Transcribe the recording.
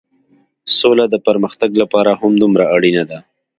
سوله د پرمختګ لپاره همدومره اړينه ده.